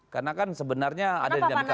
karena kan sebenarnya ada dinamika